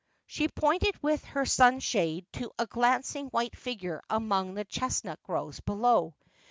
She pointed with her sunshade to a glancing white figure among the chestnut groves below.